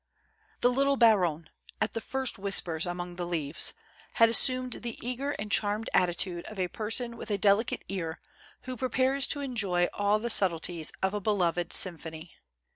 The little baronne, at the first whispers among the leaves, had assumed the eager and charmed attitude of a person with a delicate ear who prepares to enjoy all the subtleties of a beloved symphony.